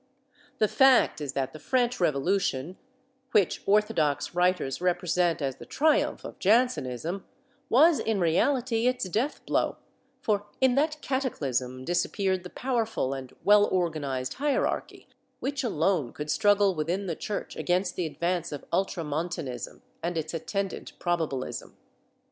The fact is that the French Revolution, which orthodox writers represent as the triumph of Jansenism, was, in reality, its death blow, for in that cataclysm disappeared the powerful and well organized hierarchy which alone could struggle within the Church against the advance of Ultramontanism and its attendant Probabilism.